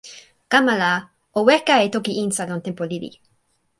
kama la, o weka e toki insa lon tenpo lili.